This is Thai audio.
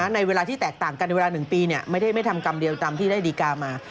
ในเวลาที่แตกต่างกันในเวลา๑ปีไม่ได้ไม่ทำกรรมเดียวตามที่ได้ดีการ์มา